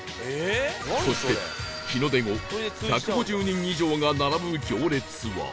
そして日の出後１５０人以上が並ぶ行列は